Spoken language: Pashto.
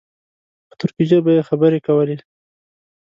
په ترکي ژبه یې خبرې کولې.